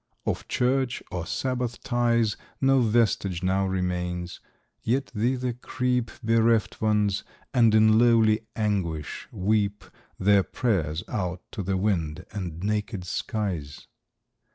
Of church, or sabbath ties, 5 No vestige now remains; yet thither creep Bereft Ones, and in lowly anguish weep Their prayers out to the wind and naked skies.